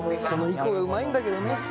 その以降がうまいんだけどね。